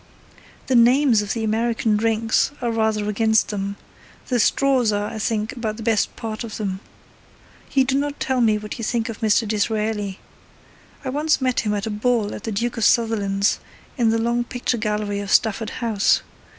The names of the American drinks are rather against them, the straws are, I think, about the best part of them. You do not tell me what you think of Mr. Disraeli. I once met him at a ball at the Duke of Sutherland's in the long picture gallery of Stafford House.